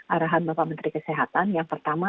arahan bapak menteri kesehatan yang pertama